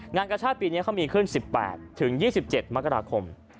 งานกระชาติปีนี้เขามีขึ้น๑๘๒๗มกราคม